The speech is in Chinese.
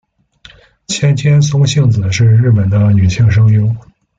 千千松幸子是日本的女性声优。